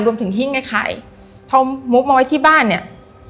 รวมถึงห้ิงไข่ไข่เพราะมูฟมาไว้ที่บ้านเนี้ย